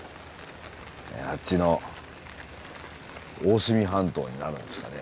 あっちの大隅半島になるんですかね。